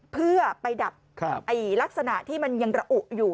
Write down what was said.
เพื่อไปดับลักษณะที่มันยังระอุอยู่